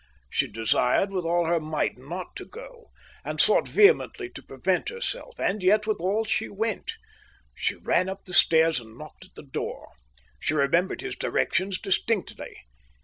She desired with all her might not to go, and sought vehemently to prevent herself, and yet withal she went. She ran up the stairs and knocked at the door. She remembered his directions distinctly.